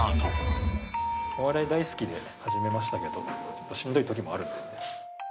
お笑い大好きで始めましたけどしんどいときもあるんでね。